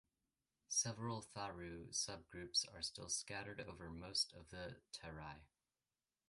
Several Tharu subgroups are still scattered over most of the Terai.